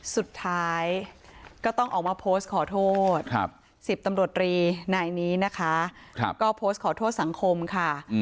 สุดท้ายก็ต้องออกมาโพสต์ขอโทษ๑๐ตำรวจรีนายนี้นะคะก็โพสต์ขอโทษสังคมค่ะ